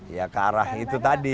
ya ke arah itu tadi